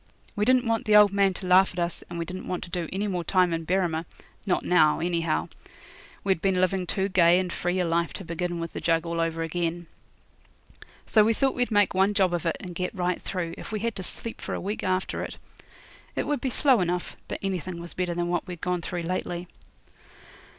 We didn't want the old man to laugh at us, and we didn't want to do any more time in Berrima not now, anyhow. We'd been living too gay and free a life to begin with the jug all over again. So we thought we'd make one job of it, and get right through, if we had to sleep for a week after it. It would be slow enough, but anything was better than what we'd gone through lately.